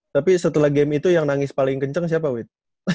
tapi setelah game itu yang nangis paling kenceng siapa wid